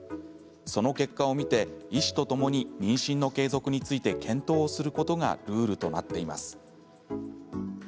その結果を見て医師とともに妊娠の継続について検討をすることがルールとなっています。